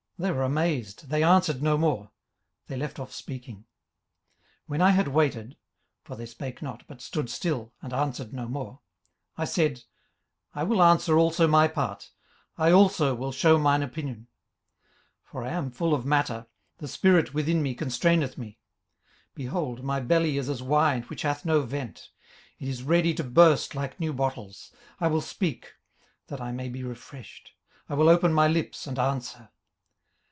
18:032:015 They were amazed, they answered no more: they left off speaking. 18:032:016 When I had waited, (for they spake not, but stood still, and answered no more;) 18:032:017 I said, I will answer also my part, I also will shew mine opinion. 18:032:018 For I am full of matter, the spirit within me constraineth me. 18:032:019 Behold, my belly is as wine which hath no vent; it is ready to burst like new bottles. 18:032:020 I will speak, that I may be refreshed: I will open my lips and answer.